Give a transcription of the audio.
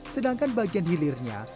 sedangkan bagian hilirnya di jawa barat